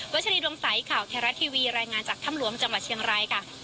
วัชฎีดวงใสข่าวเทราทีวีรายงานจากท่ำหลวงจังหวัดเชียงไรกะ